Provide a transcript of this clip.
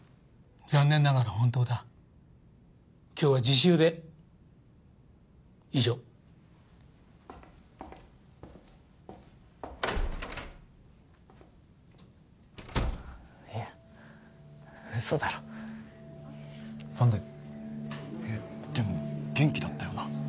残念ながら本当だ今日は自習で以上えっウソだろ何で？でも元気だったよな？